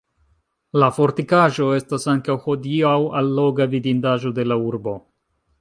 La fortikaĵo estas ankaŭ hodiaŭ alloga vidindaĵo de la urbo.